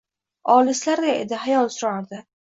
Olislarda edi – xayol surardi.